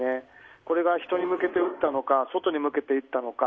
これが人に向けて撃ったのか外に向けて撃ったのか。